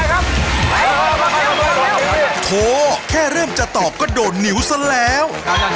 โถแค่เริ่มจะตอบก็โด่นเหนียวสักแล้ว